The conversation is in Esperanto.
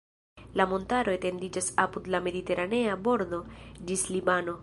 La montaro etendiĝas apud la Mediteranea bordo ĝis Libano.